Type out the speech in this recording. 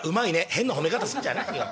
「変な褒め方すんじゃないよ」。